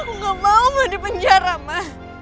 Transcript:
aku gak mau ma di penjara ma